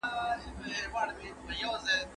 هیڅوک نه سي کولای د الهي حکم مخالفت وکړي.